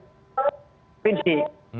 ini sudah diakui oleh pemerintah insya allah